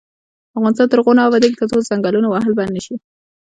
افغانستان تر هغو نه ابادیږي، ترڅو د ځنګلونو وهل بند نشي.